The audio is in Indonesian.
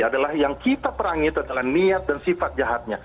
adalah yang kita perangi itu adalah niat dan sifat jahatnya